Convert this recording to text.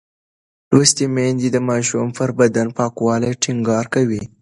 لوستې میندې د ماشوم پر بدن پاکوالی ټینګار کوي.